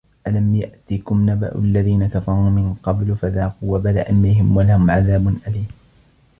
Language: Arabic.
أَلَم يَأتِكُم نَبَأُ الَّذينَ كَفَروا مِن قَبلُ فَذاقوا وَبالَ أَمرِهِم وَلَهُم عَذابٌ أَليمٌ